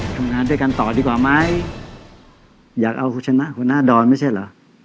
ทำงานด้วยกันต่อดีกว่าไหมอยากเอาคุณชนะหัวหน้าดอนไม่ใช่เหรอ